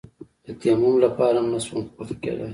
د تيمم لپاره هم نسوم پورته کېداى.